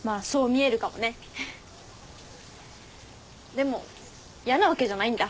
でも嫌なわけじゃないんだ。